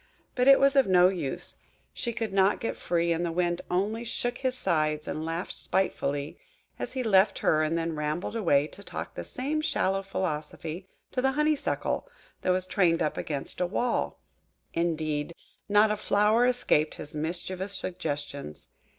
But it was of no use–she could not get free; and the Wind only shook his sides and laughed spitefully as he left her and then rambled away to talk the same shallow philosophy to the Honeysuckle that was trained up against a wall. Indeed, not a flower escaped his mischievous suggestions.